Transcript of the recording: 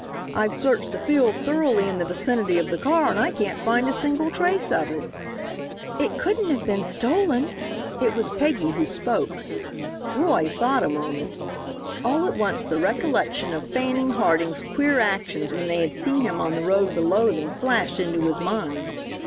I've searched the field thoroughly in the vicinity of the car, and I can't find a single trace of it." "It couldn't have been stolen." It was Peggy who spoke. Roy thought a moment. All at once the recollection of Fanning Harding's queer actions when they had seen him on the road below them flashed into his mind.